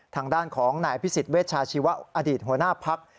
ทางด้านของนายอภิษฎเวชาชีวะอดีตหัวหน้าพัก